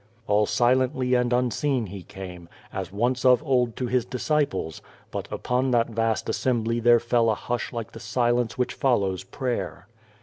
All silently and unseen He came, as once of old to His disciples, but upon that vast assembly there fell a hush like the silence which follows prayer.